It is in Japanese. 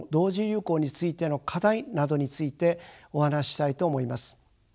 流行についての課題などについてお話ししたいと思います。